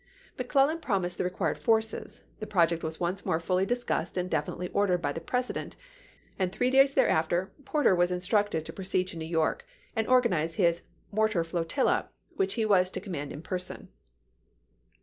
Mc Clellan promised the required forces ; the project was once more fully discussed and definitely or dered by the President ; and three days thereafter Porter was instructed to proceed to New York and organize his mortar flotilla, which he was to com mand in person.